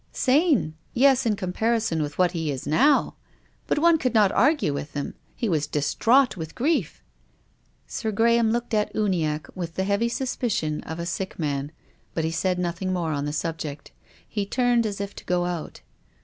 " Sane ? Yes, in comparison with what he is now. But one could not argue with him. He was distraught with grief." Sir Graham looked at Uniacke with the heavy suspicion of a sick man, but he said nothing more on the subject. He turned as if to go out.